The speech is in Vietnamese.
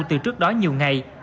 từ trước đó nhiều ngày